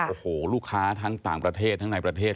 โอ้โหลูกค้าทั้งต่างประเทศทั้งในประเทศ